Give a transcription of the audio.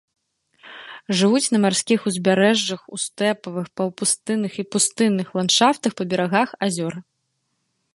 Жывуць на марскіх узбярэжжах, у стэпавых, паўпустынных і пустынных ландшафтах па берагах азёр.